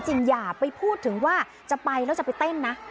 อย่าไปพูดถึงว่าจะไปแล้วจะไปเต้นนะ